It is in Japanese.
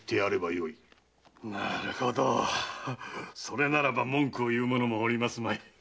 なるほどそれならば文句を言う者もおりますまい。